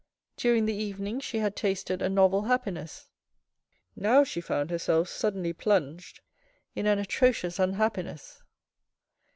During the evening she had tasted a novel happiness. Now she found herself suddenly plunged in an atrocious unhappiness.